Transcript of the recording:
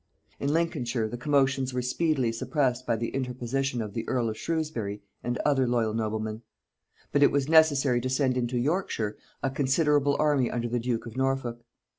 In Lincolnshire the commotions were speedily suppressed by the interposition of the earl of Shrewsbury and other loyal noblemen; but it was necessary to send into Yorkshire a considerable army under the duke of Norfolk.